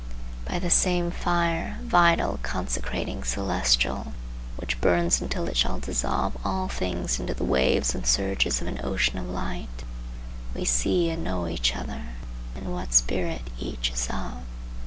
By the same fire, vital, consecrating, celestial, which burns until it shall dissolve all things into the waves and surges of an ocean of light, we see and know each other, and what spirit each is of.